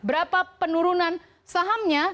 berapa penurunan sahamnya